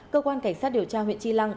cơ quan cảnh sát điều tra huyện chi lăng